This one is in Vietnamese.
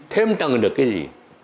thêm tầng được cái gì